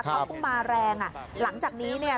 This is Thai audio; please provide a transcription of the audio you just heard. ก็พึ่งมาแรงหลังจากนี้เนี่ย